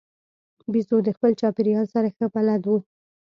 بیزو د خپل چاپېریال سره ښه بلد وي.